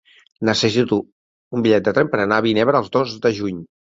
Necessito un bitllet de tren per anar a Vinebre el dos de juny.